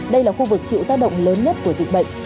đây là khu vực chịu tác động lớn nhất của dịch bệnh